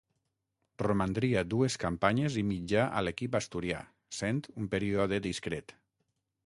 Romandria dues campanyes i mitja a l'equip asturià, sent un període discret.